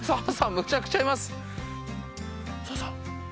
むちゃくちゃいます！